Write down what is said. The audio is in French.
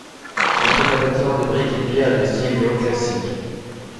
L'imposant bâtiment de brique et pierre est de style néoclassique.